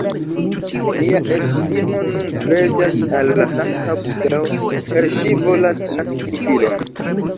Mia edzino nun preĝas al la sankta Budao ĉar ŝi volas naski filon